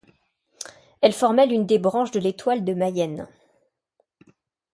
Elle formait l'une des branches de l'étoile de Mayenne.